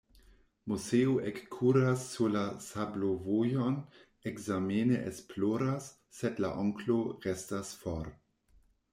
Moseo ekkuras sur la sablovojon, ekzamene esploras, sed la onklo restas for.